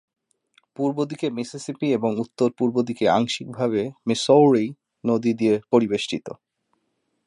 পূর্ব দিকে মিসিসিপি এবং উত্তর পূর্ব দিকে আংশিক ভাবে মিসৌরি নদী দিয়ে পরিবেষ্টিত।